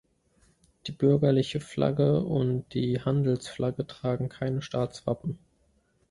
Die Bürgerliche Flagge und die Handelsflagge tragen keine Staatswappen.